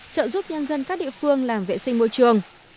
trợ giúp nhân dân các địa phương làm vệ sinh môi trường